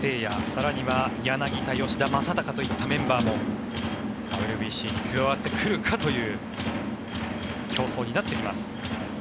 更に柳田、吉田正尚といったメンバーもＷＢＣに加わってくるかという競争になってきます。